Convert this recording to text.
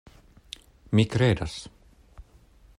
Mi kredas.